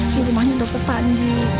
di rumahnya dokter panji